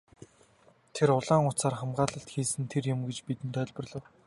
Тэр улаан утсаар хамгаалалт хийсэн нь тэр юм гэж бидэнд тайлбарлав.